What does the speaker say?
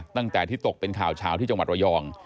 ตั้งแต่ที่ตกเป็นข่าวเช้าที่จังหวัดระยอง